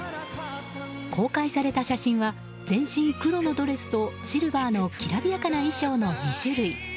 公開された写真は全身黒のドレスとシルバーのきらびやかな衣装の２種類。